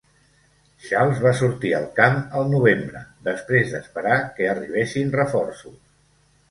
Charles va sortir al camp al novembre després d'esperar que arribessin reforços.